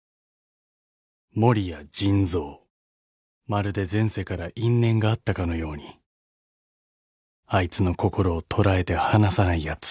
［まるで前世から因縁があったかのようにあいつの心を捉えて離さないやつ］